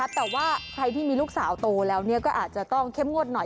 แต่ว่าใครที่มีลูกสาวโตแล้วก็อาจจะต้องเข้มงวดหน่อย